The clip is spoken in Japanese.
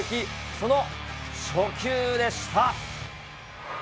その初球でした。